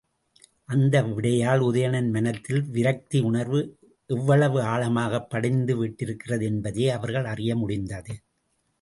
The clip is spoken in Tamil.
அந்த விடையால் உதயணன் மனத்தில் விரக்தியுணர்வு எவ்வளவு ஆழமாகப் படிந்து விட்டிருக்கிறது என்பதையே அவர்கள் அறிய முடந்தது.